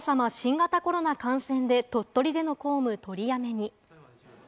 佳子さま、新型コロナ感染で鳥取での公務取りやめに。